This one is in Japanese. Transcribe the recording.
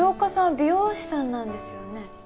美容師さんなんですよね？